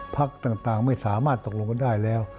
พักต่างไม่สามารถตกลงกันได้แล้ว